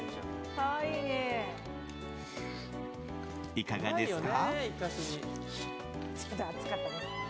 いかがですか？